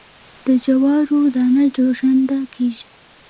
د جوارو دانه جوشانده کیږي.